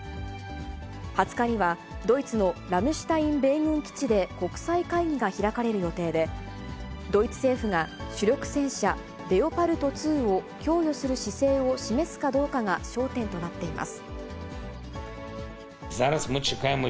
２０日には、ドイツのラムシュタイン米軍基地で国際会議が開かれる予定で、ドイツ政府が主力戦車レオパルト２を供与する姿勢を示すかどうかが焦点となっています。